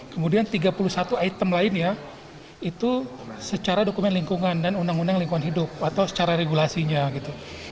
kemudian tiga puluh satu item lainnya itu secara dokumen lingkungan dan undang undang lingkungan hidup atau secara regulasinya gitu